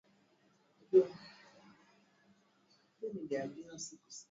viazi lishe husaidia mfumo wa ukuaji bora